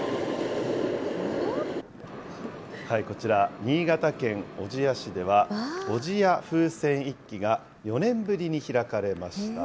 こちら新潟県小千谷市では、おぢや風船一揆が４年ぶりに開かれました。